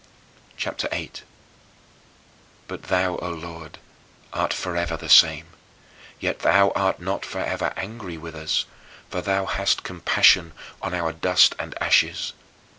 CHAPTER VIII 12. But thou, O Lord, art forever the same, yet thou art not forever angry with us, for thou hast compassion on our dust and ashes.